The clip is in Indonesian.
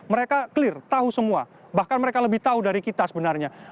mereka clear tahu semua bahkan mereka lebih tahu dari kita sebenarnya